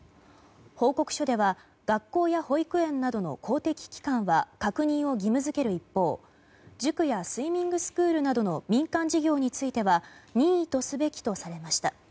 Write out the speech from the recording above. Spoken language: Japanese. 報告書では学校や保育園などの公的機関は確認を義務付ける一方塾やスイミングスクールなどの民間事業については任意とすべきとされました。